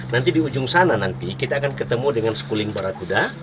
nanti di ujung sana nanti kita akan ketemu dengan schooling barakuda